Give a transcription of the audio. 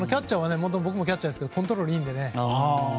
僕もキャッチャーですけどコントロールいいのでね。